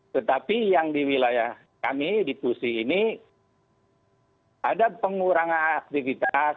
tetapi yang di wilayah kami di pusi ini ada pengurangan aktivitas